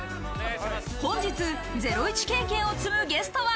本日、ゼロイチ経験を積むゲストは。